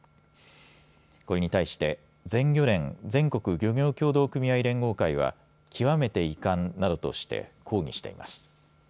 これに対して全漁連・全国漁業協同組合連合会は極めて遺憾などとして抗議しています。